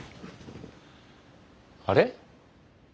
あれ？